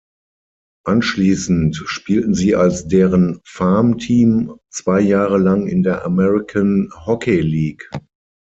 Anschließend spielten sie als deren Farmteam zwei Jahre lang in der American Hockey League.